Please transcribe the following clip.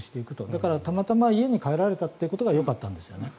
だからたまたま家に帰られたということがよかったんですよね。